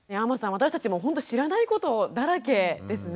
私たちもほんと知らないことだらけですね。